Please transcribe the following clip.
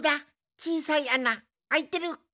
ちいさいあなあいてる。